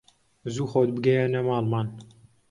زوو خۆت بگەیەنە ماڵمان